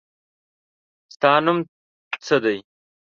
ستا نوم څه دی؟